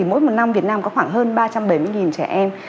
mỗi một năm việt nam có khoảng hơn ba trăm bảy mươi trẻ em